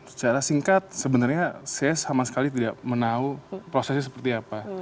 secara singkat sebenarnya saya sama sekali tidak menahu prosesnya seperti apa